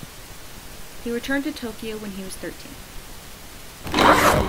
He returned to Tokyo when he was thirteen.